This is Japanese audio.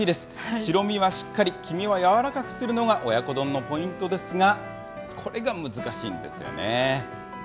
白身はしっかり、黄身は軟らかくするのが親子丼のポイントですが、これが難しいんですよね。